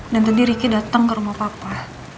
dan tadi riki datang ke rumah papa